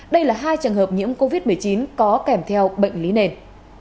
đây là hai trường hợp nhiễm covid một mươi chín có kèm theo bệnh lý nền